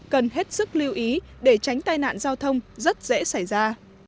cần hết sức lưu ý để tránh tai nạn giao thông rất dễ xảy ra